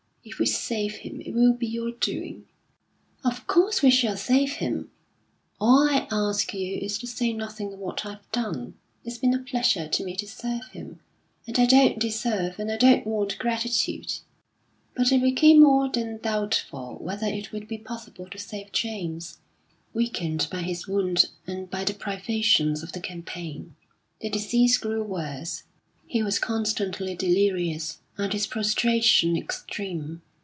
"If we save him it will be your doing." "Of course we shall save him! All I ask you is to say nothing of what I've done. It's been a pleasure to me to serve him, and I don't deserve, and I don't want, gratitude." But it became more than doubtful whether it would be possible to save James, weakened by his wound and by the privations of the campaign. The disease grew worse. He was constantly delirious, and his prostration extreme.